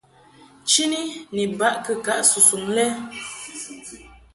Chini ni baʼ kɨkaʼ susuŋ lɛ.